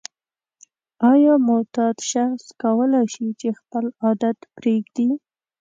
آیا معتاد شخص کولای شي چې خپل عادت پریږدي؟